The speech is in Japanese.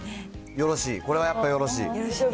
よろしい、これはやっぱよろしい。